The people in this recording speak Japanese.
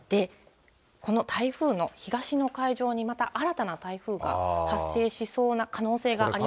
この台風の東の海上にまた新たな台風が発生しそうな可能性があり